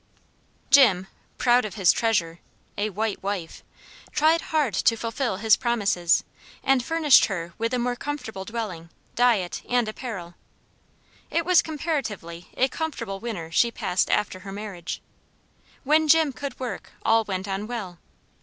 JIM, proud of his treasure, a white wife, tried hard to fulfil his promises; and furnished her with a more comfortable dwelling, diet, and apparel. It was comparatively a comfortable winter she passed after her marriage. When Jim could work, all went on well.